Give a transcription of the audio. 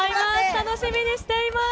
楽しみにしています。